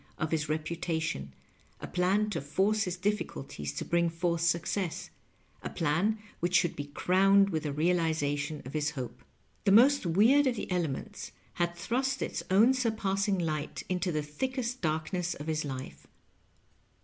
of his Tepatation, a plan to force bis difficnlties to bring f ortb success — a pLin wbicb sbonld be crowned with the realization of bis bope. Tbe most weird of tbe elements bad tbrost its own surpassing ligbt into tbe thickest dark ness of bis life.